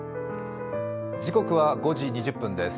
時刻は５時２０分です。